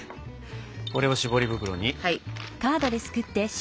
これを絞り袋に。